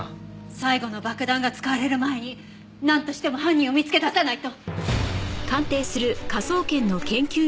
最後の爆弾が使われる前になんとしても犯人を見つけ出さないと！